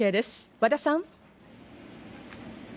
和田さん。